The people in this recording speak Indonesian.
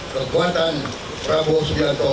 kekuatan prabowo subianto